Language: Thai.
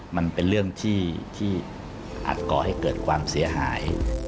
มันเป็นเรื่องที่อาจก่อให้เกิดความเสียหาย